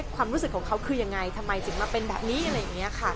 ความรู้สึกของเขาคือยังไงทำไมถึงมาเป็นแบบนี้อะไรอย่างนี้ค่ะ